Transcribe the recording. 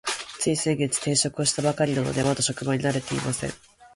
つい先月、転職をしたばかりなので、まだ職場に慣れていません。